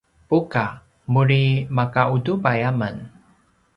buka: muri maka utubai amen